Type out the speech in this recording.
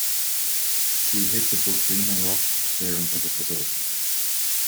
See Hirzebruch-Riemann-Roch theorem for his result.